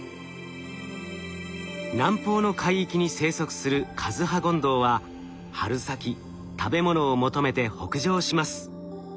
南方の海域に生息するカズハゴンドウは春先食べ物を求めて北上します。